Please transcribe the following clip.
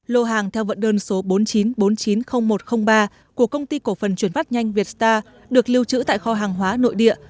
lô hàng theo vận đơn số bốn chín bốn chín không một không ba của công ty cổ phần chuyển vắt nhanh vietstar được lưu trữ tại kho hàng hóa nội địa